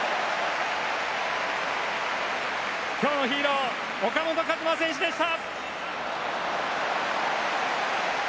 今日のヒーロー岡本和真選手でした。